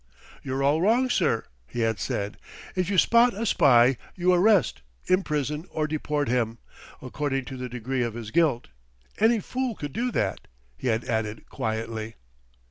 "You're all wrong, sir," he had said. "If you spot a spy, you arrest, imprison or deport him, according to the degree of his guilt. Any fool could do that," he had added quietly.